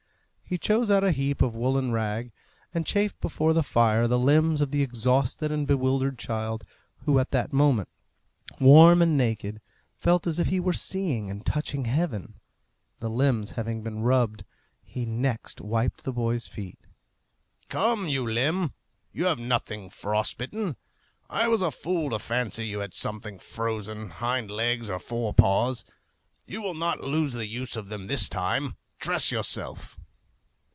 He chose out of a heap a woollen rag, and chafed before the fire the limbs of the exhausted and bewildered child, who at that moment, warm and naked, felt as if he were seeing and touching heaven. The limbs having been rubbed, he next wiped the boy's feet. "Come, you limb; you have nothing frost bitten! I was a fool to fancy you had something frozen, hind legs or fore paws. You will not lose the use of them this time. Dress yourself!"